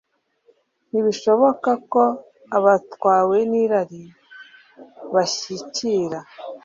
Ntibishoboka ko abatwawe nirari bashyikira